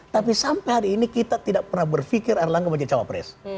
tapi sampai hari ini kita tidak pernah berpikir erlangga menjadi cawapres